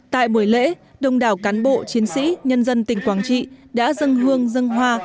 tại mùa lễ đồng đảo cán bộ chiến sĩ nhân dân tỉnh quảng trị đã dâng hương dâng hoa